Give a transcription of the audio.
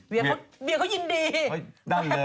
เวียเมียเขายินดี